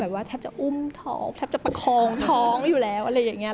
ว่าแทบจะอุ้มท้องแทบจะประคองท้องอยู่แล้วอะไรอย่างนี้